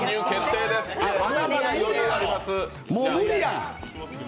まだまだ余裕あります。